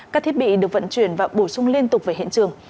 các thiết bị được vận chuyển và bổ sung liên tục về hiện trường